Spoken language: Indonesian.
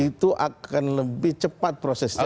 itu akan lebih cepat prosesnya